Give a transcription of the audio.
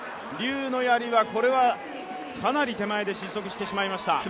劉のやりはかなり手前で失速してしまいました。